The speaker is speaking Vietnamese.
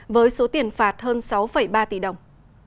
với số tiền phạt hơn sáu ba tỷ đồng